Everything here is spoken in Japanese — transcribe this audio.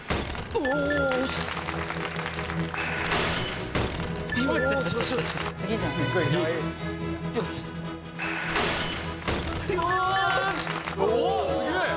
おっすげえ！